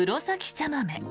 茶豆。